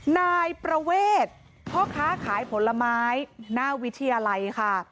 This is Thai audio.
นายประเวทพ่อค้าขายผลไม้หน้าวิทยาลัยค่ะ